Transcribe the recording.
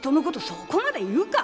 そこまで言うか？